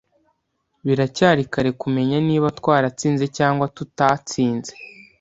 Biracyari kare kumenya niba twaratsinze cyangwa tutatsinze.